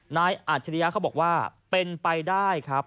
อัจฉริยะเขาบอกว่าเป็นไปได้ครับ